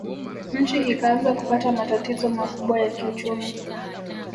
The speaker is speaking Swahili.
Nchi ikaanza kupata matatizo makubwa ya kiuchumi